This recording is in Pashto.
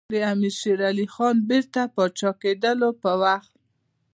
د امیر شېر علي خان بیرته پاچا کېدلو په وخت.